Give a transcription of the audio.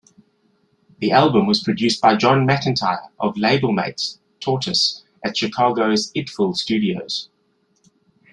The album was produced by John McEntire of labelmates Tortoise at Chicago's Idful Studios.